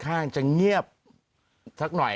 ข้างจะเงียบสักหน่อย